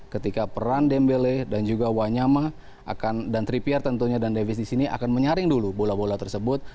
ketika peran dembele dan juga wanyama dan tripiar tentunya dan davis di sini akan menyaring dulu bola bola tersebut